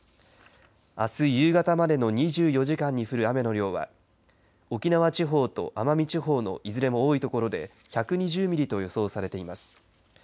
あす夕方までの２４時間に降る雨の量は沖縄地方と奄美地方のいずれも多い所で１２０ミリと予想されています。